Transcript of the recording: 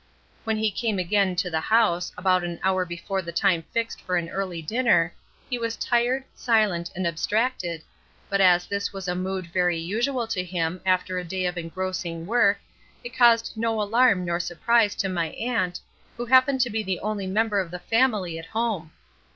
When he came again to the house, about an hour before the time fixed for an early dinner, he was tired, silent and abstracted, but as this was a mood very usual to him after a day of engrossing work, it caused no alarm nor surprise to my aunt, who happened to be the only member of the family at home.